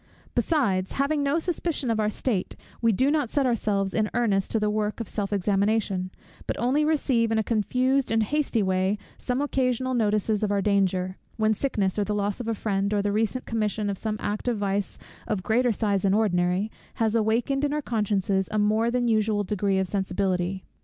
Besides, having no suspicion of our state, we do not set ourselves in earnest to the work of self examination; but only receive in a confused and hasty way some occasional notices of our danger, when sickness, or the loss of a friend, or the recent commission of some act of vice of greater size than ordinary, has awakened in our consciences a more than usual degree of sensibility.